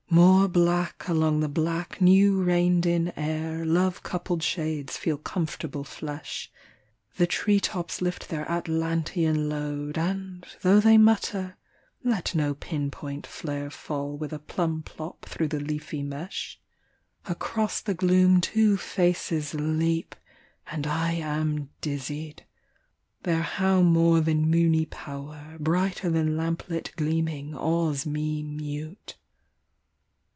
More black along the black new rained in air Love coupled shades feel comfortable flesh. The tree tops lift their Atlantean load, And, though tliey mutter, let no pinpoint flare Fall with a plum plop through the leafy mesh. Across the gloom two faces leap, and I Am dizzied. Their how more than moony power. Brighter than lamp lit gleaming awes me mute.